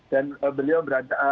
dan beliau berada